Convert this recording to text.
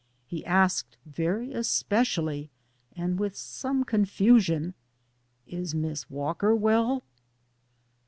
He asked very especially and with some confusion, *'Is Miss Walker well?'